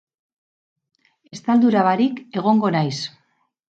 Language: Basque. Estaldura barik egongo naiz.